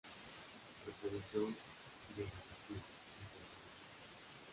Reproducción vegetativa importante.